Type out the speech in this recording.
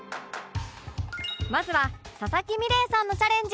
まずは佐々木美玲さんのチャレンジ